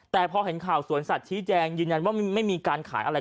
แต่พอเห็นข่าวสวนสัตว์ชี้แจงยืนยันว่าไม่มีการขายอะไร